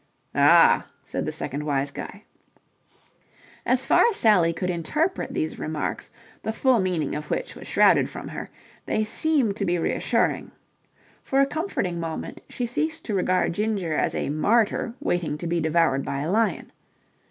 "Ah!" said the second wise guy. As far as Sally could interpret these remarks, the full meaning of which was shrouded from her, they seemed to be reassuring. For a comforting moment she ceased to regard Ginger as a martyr waiting to be devoured by a lion.